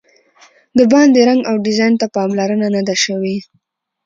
د باندې رنګ او ډیزاین ته پاملرنه نه ده شوې.